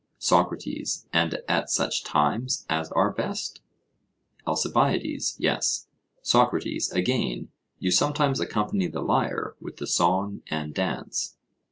SOCRATES: And at such times as are best? ALCIBIADES: Yes. SOCRATES: Again; you sometimes accompany the lyre with the song and dance?